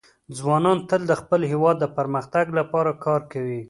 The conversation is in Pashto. ځوانان تل د خپل هېواد د پرمختګ لپاره کار کوي.